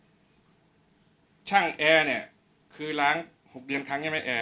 มาปีห้าห้าช่างแอร์เนี้ยคือล้างหกเดือนครั้งยังไม่แอร์